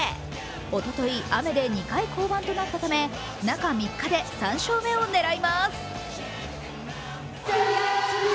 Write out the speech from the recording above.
おととい雨で２回降板となったため中３日で３勝目を狙います。